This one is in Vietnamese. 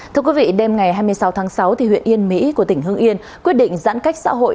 thưa quý vị đêm ngày hai mươi sáu tháng sáu huyện yên mỹ của tỉnh hưng yên quyết định giãn cách xã hội